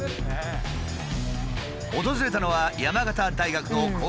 訪れたのは山形大学の工学部。